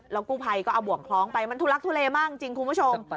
กู้ภัยก็เอาบ่วงคล้องไปมันทุลักทุเลมากจริงคุณผู้ชม